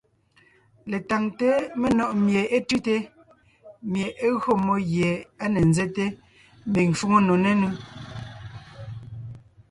Letáŋte menɔ̀ʼ mie é tʉ́te, mie é gÿo mmó gie á ne nzɛ́te mbiŋ shwóŋo nò nénʉ́.